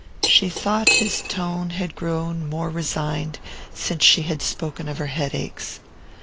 She thought his tone had grown more resigned since she had spoken of her headaches.